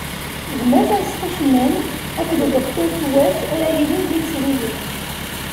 D Mass Arezqi Cennan akked uduktur Tuwat ara yilin d imsirgen.